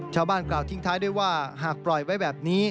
กล่าวทิ้งท้ายด้วยว่าหากปล่อยไว้แบบนี้